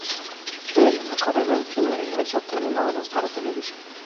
Inició su carrera en el cine y realizó telenovelas para Televisa.